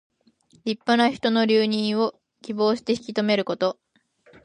立派な人の留任を希望して引き留めること。